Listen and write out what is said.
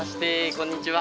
こんにちは。